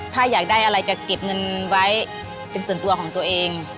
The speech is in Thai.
ถ้าอยากได้อะไรจะเก็บเงินไว้เป็นส่วนตัวของตัวเอง